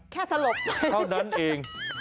แค่สลบเข้านั้นเอง